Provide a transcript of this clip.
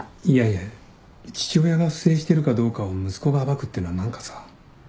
いやいや父親が不正してるかどうかを息子が暴くってのは何かさ。